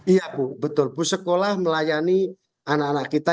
iya bu betul bu sekolah melayani anak anak kita